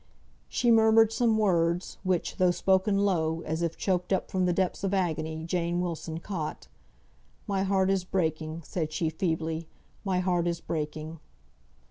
She murmured some words, which, though spoken low, as if choked up from the depths of agony, Jane Wilson caught. "My heart is breaking," said she, feebly. "My heart is breaking."